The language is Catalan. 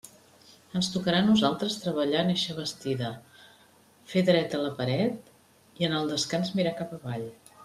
Ens tocarà a nosaltres treballar en eixa bastida, fer dreta la paret i en el descans mirar cap avall.